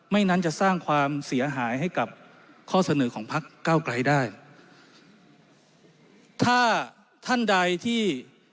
นั้นจะสร้างความเสียหายให้กับข้อเสนอของพักเก้าไกลได้ถ้าท่านใดที่